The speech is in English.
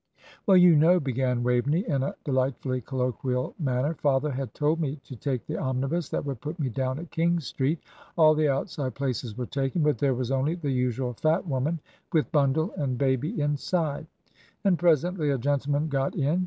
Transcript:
"Well, you know," began Waveney, in a delightfully colloquial manner, "father had told me to take the omnibus that would put me down at King's Street. All the outside places were taken, but there was only the usual fat woman with bundle and baby inside; and presently a gentleman got in.